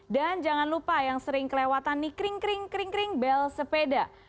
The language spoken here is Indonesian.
dan jangan lupa yang sering kelewatan nih kring kring kring kring bel sepeda